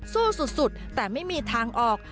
สู้สุดแต่ไม่มีทางออก